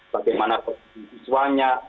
bagaimana kondisi biswanya